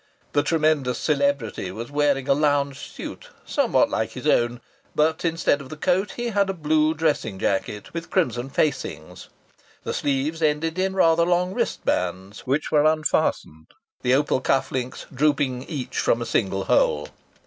The tremendous celebrity was wearing a lounge suit somewhat like his own, but instead of the coat he had a blue dressing jacket with crimson facings; the sleeves ended in rather long wristbands, which were unfastened, the opal cuff links drooping each from a single hole.